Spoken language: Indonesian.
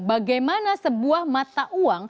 bagaimana sebuah perusahaan bisa memiliki kekuatan yang berbeda